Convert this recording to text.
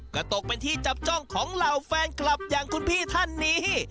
ก็ตกเป็นที่จับจ้องของเหล่าแฟนคลับอย่างคุณพี่ท่านนี้